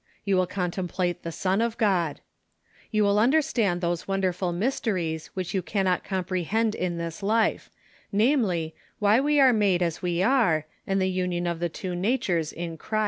You will contemplate the Son of God. You will understand those won derful m3'steries which you cannot comprehend in this life : namely, why we are made as we are, and the union of the two natures in Christ."